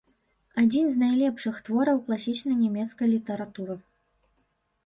Адзін з найлепшых твораў класічнай нямецкай літаратуры.